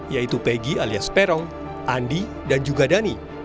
yaitu pegi alias perong andi dan juga dani